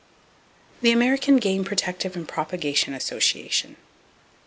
The American Game Protective And Propagation Association.